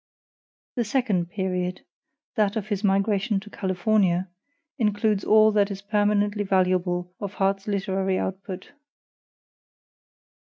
The second period, that of his migration to California, includes all that is permanently valuable of Harte's literary output.